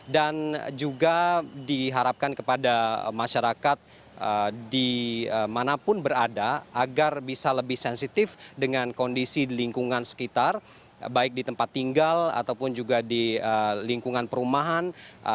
dan juga diharapkan kepada masyarakat di manapun berada agar bisa lebih sensitif dengan kondisi lingkungan sekitar baik di tempat tinggal ataupun juga di lingkungan perumahan